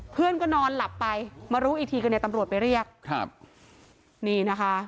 เพื่อนก็นอนหลับไปมารู้อีกทีก็เนี่ยตำรวจไปเรียกครับนี่นะคะ